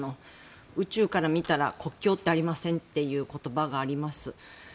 宇宙から見たら国境はありませんという言葉があります。